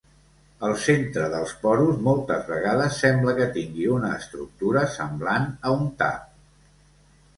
El centre del porus moltes vegades sembla que tingui una estructura semblant a un tap.